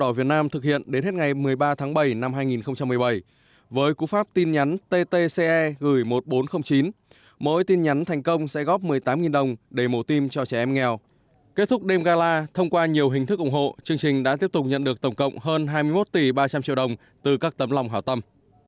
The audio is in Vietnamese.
sau nhiều hình thức ủng hộ chương trình đã tiếp tục nhận được tổng cộng hơn hai mươi một tỷ ba trăm linh triệu đồng từ các tấm lòng hảo tâm